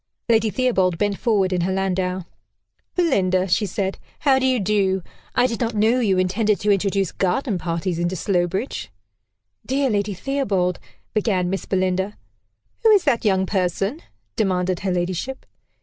Lady Theobald bent forward in her landau. "Belinda," she said, "how do you do? I did not know you intended to introduce garden parties into Slowbridge." "Dear Lady Theobald" began Miss Belinda. "Who is that young person?" demanded her ladyship.